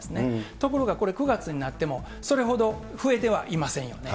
ところがこれ、９月になっても、それほど増えてはいませんよね。